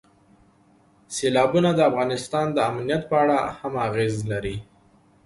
سیلابونه د افغانستان د امنیت په اړه هم اغېز لري.